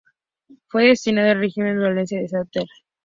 Fue destinado al Regimiento Valencia de Santander.